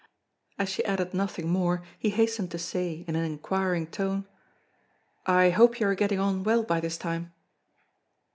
As she added nothing more, he hastened to say in an inquiring tone: "I hope you are getting on well by this time?"